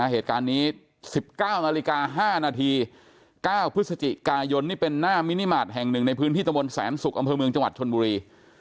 เหตุการณ์นี้๑๙นาฬิกา๕นาที๙พฤศจิกายนนี่เป็นหน้ามินิมาตรแห่งหนึ่งในพื้นที่ตะบนแสนศุกร์อำเภอเมืองจังหวัดชนบุรี